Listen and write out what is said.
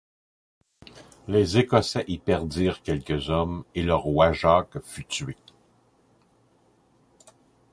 Les Écossais y perdirent quelque hommes, et le roi Jacques fut tué.